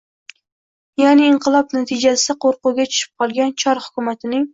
Ya`ni, inqilob natijasida qo'rquvga tushib qolgan Chor hukumatining